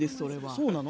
そうなの？